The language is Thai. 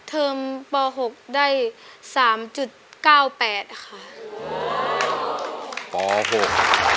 เทอมปหกได้สามจุดเก้าแปดค่ะป๖